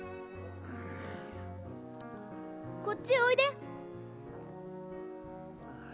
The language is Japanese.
こっちへおいで。